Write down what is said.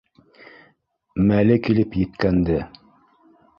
Мәле килеп еткәнде